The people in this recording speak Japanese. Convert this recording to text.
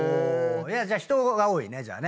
じゃあ人が多いね。